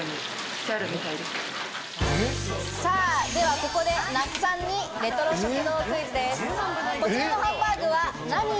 ここで那須さんにレトロ食堂クイズです。